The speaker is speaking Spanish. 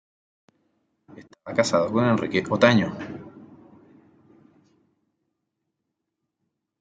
Estaba casado con Enriqueta Otaño.